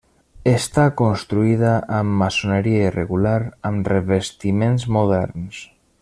Està construïda amb maçoneria irregular amb revestiments moderns.